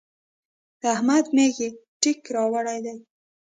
د احمد مېږي تېک راوړی دی.